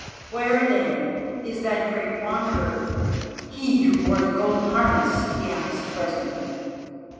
"Where, then, is that great Wanderer, he who wore the golden harness?" he asked presently.